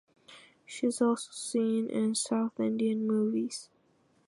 She is also seen in South Indian movies.